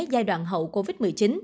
giai đoạn hậu covid một mươi chín